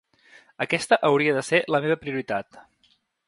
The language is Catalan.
Aquesta hauria de ser la meva prioritat.